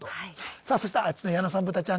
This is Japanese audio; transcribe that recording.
さあそしてあっちの矢野さんブタちゃんが。